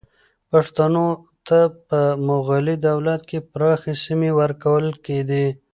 پښتنو ته په مغلي دولت کې پراخې سیمې ورکول کېدې.